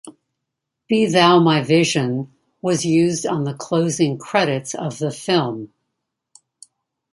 "Be Thou My Vision" was used on the closing credits of the film.